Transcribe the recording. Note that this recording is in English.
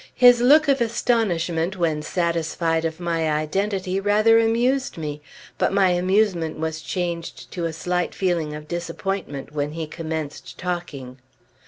His look of astonishment when satisfied of my identity rather amused me; but my amusement was changed to a slight feeling of disappointment when he commenced talking.